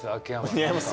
似合います？